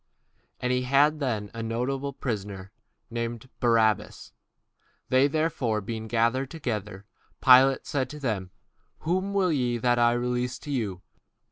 And they had then a notable prisoner, called Barabbas. Therefore when they were gathered together, Pilate said unto them, Whom will ye that I release unto you?